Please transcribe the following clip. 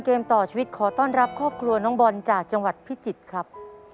สำหรับครอบครัวน้องบอลจากจังหวัดพิจิตรครับ